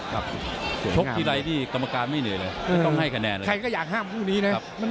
ครับชกทีใดนี่กรรมการไม่เหนื่อยเลยต้องให้คะแนนเลยนะครับใครก็อยากห้ามผู้นี้เนี่ย